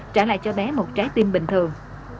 trả lại cho bé một trái tim bình thường